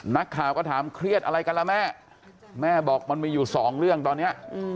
นักข่าวก็ถามเครียดอะไรกันล่ะแม่แม่บอกมันมีอยู่สองเรื่องตอนนี้